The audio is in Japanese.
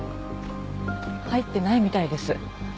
入ってないみたいです。